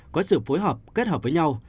có sự phối hợp kết hợp với nhau